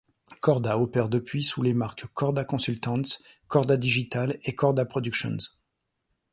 Korda opère depuis sous les marques Korda Consultants, Korda Digital et Korda Productions.